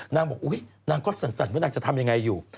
นางบอกอุ๊ยนางก็สั่นว่านางจะทำยังไงอยู่